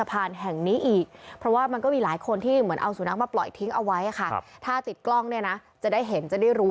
มาปล่อยทิ้งเอาไว้ค่ะถ้าติดกล้องนี่นะจะได้เห็นจะได้รู้